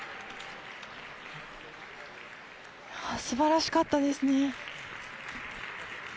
素晴らしかったですね。